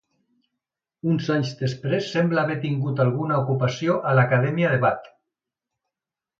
Uns anys després sembla haver tingut alguna ocupació a l'acadèmia de Watt.